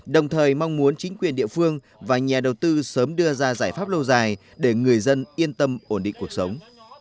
đồng thời mong muốn chính quyền địa phương và nhà đầu tư sớm đưa ra giải pháp lâu dài để người dân yên tâm ổn định cuộc sống